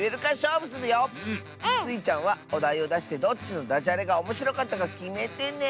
スイちゃんはおだいをだしてどっちのダジャレがおもしろかったかきめてね。